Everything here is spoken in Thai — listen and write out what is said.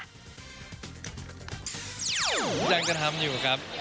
ยังจะทำอยู่ครับ